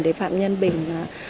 để phạm nhân bình